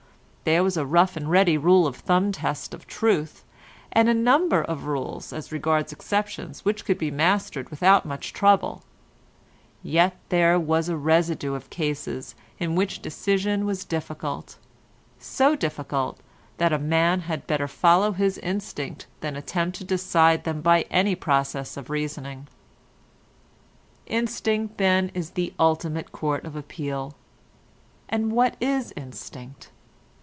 There was a rough and ready rule of thumb test of truth, and a number of rules as regards exceptions which could be mastered without much trouble, yet there was a residue of cases in which decision was difficult—so difficult that a man had better follow his instinct than attempt to decide them by any process of reasoning. Instinct then is the ultimate court of appeal. And what is instinct?